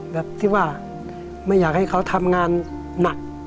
แบบที่ว่าไม่อยากให้เขาทำงานหนัก